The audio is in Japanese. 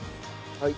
はい。